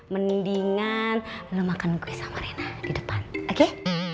mendingan lu makan kue sama rena di depan oke